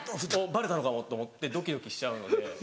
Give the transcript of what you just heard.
バレたのかもと思ってドキドキしちゃうので。